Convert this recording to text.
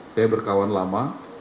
saya berkawan lama